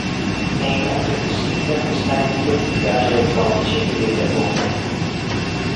È inoltre possibile acquistare titoli di viaggio elettronici e biglietti a bordo.